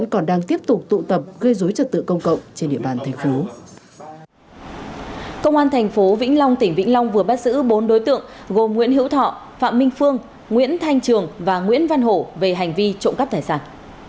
công an thành phố vĩnh long tỉnh vĩnh long vừa bắt giữ bốn đối tượng gồm nguyễn hữu thọ phạm minh phương nguyễn thanh trường và nguyễn văn hổ về hành vi trộm cắp tài sản